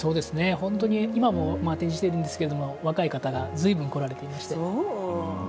今も展示しているんですが若い方がずいぶん来られていまして。